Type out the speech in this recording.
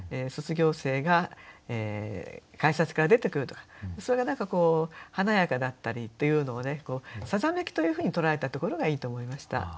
卒業生が改札から出てくるとかそれが何かこう華やかだったりっていうのを「さざめき」というふうに捉えたところがいいと思いました。